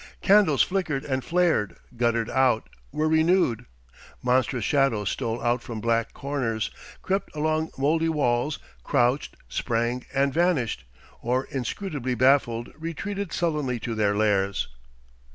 Candles flickered and flared, guttered out, were renewed. Monstrous shadows stole out from black corners, crept along mouldy walls, crouched, sprang and vanished, or, inscrutably baffled, retreated sullenly to their lairs....